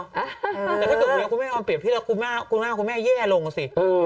แต่พอถึงแล้วคุณแม่ความเปรียบพี่แล้วคุณแม่คุณแม่แย่ลงสิ